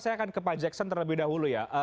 saya akan ke pak jackson terlebih dahulu ya